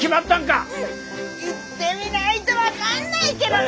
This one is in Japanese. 行ってみないと分かんないけどね！